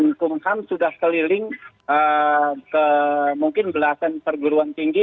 yang menghukumkan sudah keliling ke mungkin belasan perguruan tinggi